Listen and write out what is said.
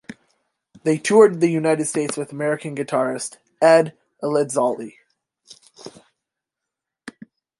They toured the United States with American guitarist, Ed Elizalde.